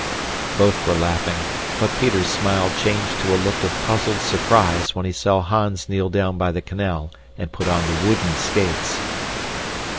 Both were laughing. But Peter's smile changed to a look of puzzled surprise when he saw Hans kneel down by the canal and put on the wooden skates.